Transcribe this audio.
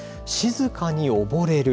静かに溺れる。